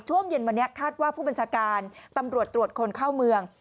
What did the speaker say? ช่วงเย็นวันนี้คาดว่าผู้บัญชาการตำรวจตรวจคนเข้าเมือง